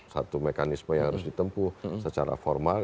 satu mekanisme yang harus ditempuh secara formal